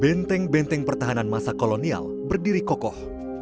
benteng benteng pertahanan masa kolonial berdiri kokoh